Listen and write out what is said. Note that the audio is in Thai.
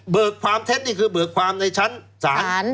ความเท็จนี่คือเบิกความในชั้นศาล